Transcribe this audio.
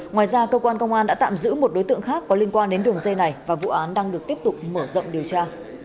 ngoài ra cơ quan công an đã tạm giữ một đối tượng khác có liên quan đến đường dây này và vụ án đang được tiếp tục mở rộng điều tra